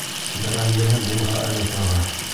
Бәрәңгеһе булһа әле тағы.